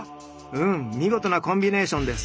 うん見事なコンビネーションです。